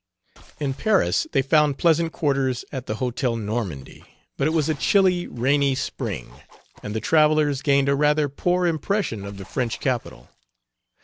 In Paris they found pleasant quarters at the Hotel Normandy, but it was a chilly, rainy spring, and the travelers gained a rather poor impression of the French capital.